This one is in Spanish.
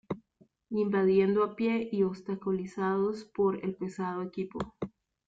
Invadiendo a pie y obstaculizados por el pesado equipo.